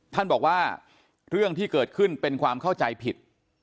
ท่านบอกว่าเรื่องที่เกิดขึ้นเป็นความเข้าใจผิด